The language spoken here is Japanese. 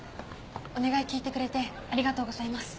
お願い聞いてくれてありがとうございます。